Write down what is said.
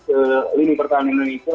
ke lini pertarungan indonesia